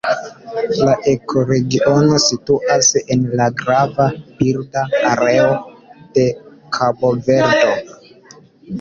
La ekoregiono situas en la grava birda areo de Kabo-Verdo.